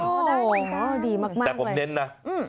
โอ้โฮดีมากเลยอืมอะไรแต่ผมเน้นนะ